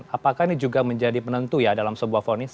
apakah ini juga menjadi penentu ya dalam sebuah fonis